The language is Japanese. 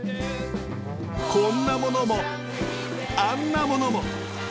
こんなものもあんなものも。